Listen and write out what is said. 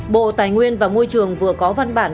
bộ tài nguyên và môi trường vừa có văn bản